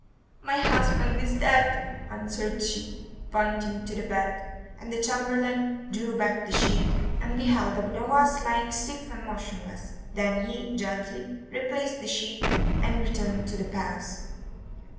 "My husband is dead," answered she, pointing to the bed; and the chamberlain drew back the sheet and beheld Abu Nowas lying stiff and motionless. Then he gently replaced the sheet and returned to the palace.